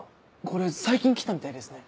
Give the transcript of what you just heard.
これ最近切ったみたいですね。